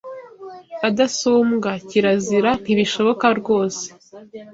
Adasumbwa kirazira ntibishoboka rwose